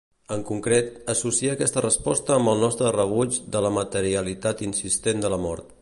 En concret, associa aquesta resposta amb el nostre rebuig de la materialitat insistent de la mort.